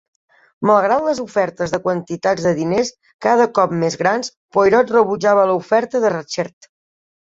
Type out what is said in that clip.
Malgrat les ofertes de quantitats de diners cada cop més grans, Poirot rebutja l'oferta de Ratchett.